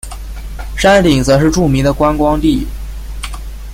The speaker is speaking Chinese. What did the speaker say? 山顶则是著名的观光地。